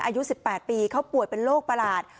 อายุสิบแปดปีเค้าปวดเป็นโรคประหลาด